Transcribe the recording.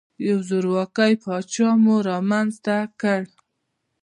یو زورواکۍ پاچا مو رامنځته کړ.